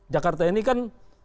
jakarta ini kan